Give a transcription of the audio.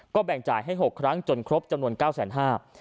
แบ่งจ่ายให้๖ครั้งจนครบจำนวน๙๕๐๐บาท